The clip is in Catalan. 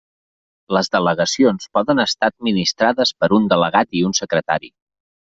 Les delegacions poden estar administrades per un delegat i un secretari.